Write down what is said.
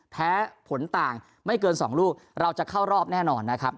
แพ้ผลต่างไม่เกิน๒ลูกเราจะเข้ารอบแน่นอนนะครับ